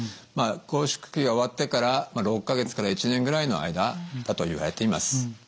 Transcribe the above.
まあ拘縮期が終わってから６か月から１年ぐらいの間だといわれています。